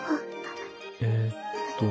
えっと